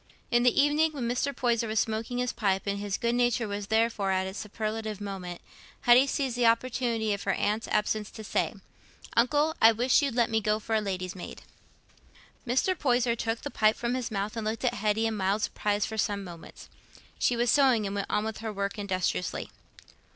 In the evening, when Mr. Poyser was smoking his pipe, and his good nature was therefore at its superlative moment, Hetty seized the opportunity of her aunt's absence to say, "Uncle, I wish you'd let me go for a lady's maid." Mr. Poyser took the pipe from his mouth and looked at Hetty in mild surprise for some moments. She was sewing, and went on with her work industriously.